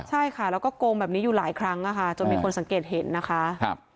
ใช่ค่ะแล้วก็โกงแบบนี้อยู่หลายครั้งจนมีคนสังเกตเห็นนะคะ